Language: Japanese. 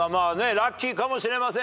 ラッキーかもしれません。